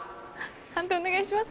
判定お願いします。